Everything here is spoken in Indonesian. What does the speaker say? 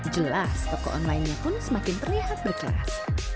jelas tokoh online nya pun semakin terlihat berkelas